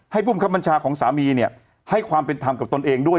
ภูมิคับบัญชาของสามีเนี่ยให้ความเป็นธรรมกับตนเองด้วย